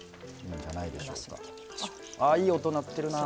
あいい音鳴ってるなあ。